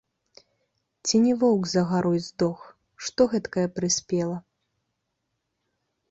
Ці не воўк за гарой здох, што гэткае прыспела?